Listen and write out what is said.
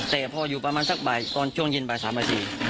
แต่พออยู่ประมาณสักบ่ายช่วงเย็นบ่าย๓๔